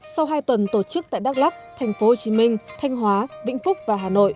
sau hai tuần tổ chức tại đắk lắc tp hcm thanh hóa vĩnh phúc và hà nội